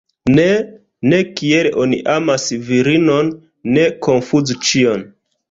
Ne, ne kiel oni amas virinon, ne konfuzu ĉion.